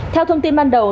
theo thông tin ban đầu